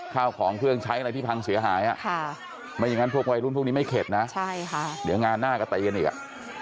ข้าวของเครื่องใช้อะไรที่พังเสียหายไม่อย่างนั้นพวกวัยรุ่นพวกนี้ไม่เข็ดนะใช่ค่ะเดี๋ยวงานหน้าก็ตีกันอีกอ่ะ